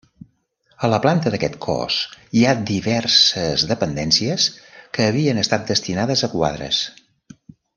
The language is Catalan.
A la planta d'aquest cos, hi ha diverses dependències que havien estat destinades a quadres.